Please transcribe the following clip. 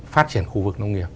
phát triển khu vực nông nghiệp